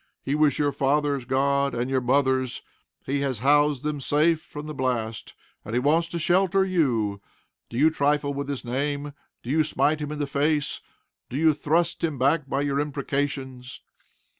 He was your father's God, and your mother's. He has housed them safe from the blast, and he wants to shelter you. Do you trifle with his name? Do you smite him in the face? Do you thrust him back by your imprecations?